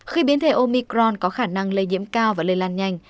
khi biến thể omicron có khả năng lây nhiễm cao và lây lan nhanh